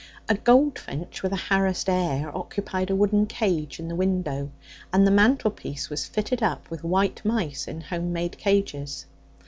A goldfinch with a harassed air occupied a wooden cage in the window, and the mantelpiece was fitted up with white mice in home made cages.